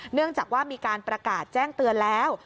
เนื่องจากว่ามีการประกาศแจ้งเตือนแล้ว